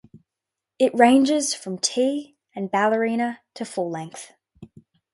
It ranges from tea and ballerina to full-length.